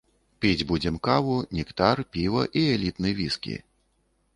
Піць будзем каву, нектар, піва і элітны віскі.